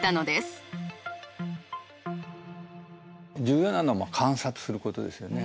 重要なのは観察することですよね。